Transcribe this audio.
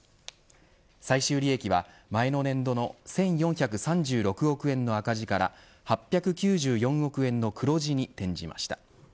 最終利益は前の年度の１４３６億円の赤字から８９４億円の黒字に転じました。